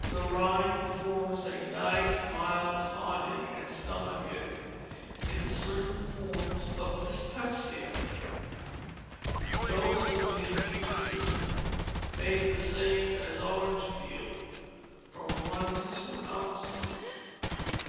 The rind forms a nice mild tonic and stomachic in certain forms of dyspepsia. Dose of the infusion (made the same as orange peel), from one to two ounces.